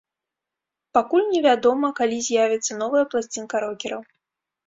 Пакуль не вядома, калі з'явіцца новая пласцінка рокераў.